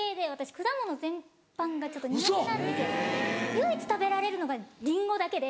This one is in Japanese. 唯一食べられるのがリンゴだけで。